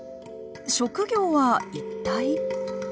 職業は一体？